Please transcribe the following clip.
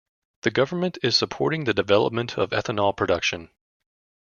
The government is supporting the development of ethanol production.